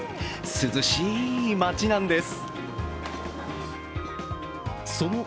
涼しい町なんです。